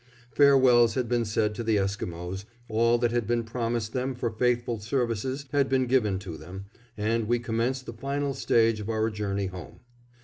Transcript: Farewells had been said to the Esquimos, all that had been promised them for faithful services had been given to them, and we commenced the final stage of our journey home.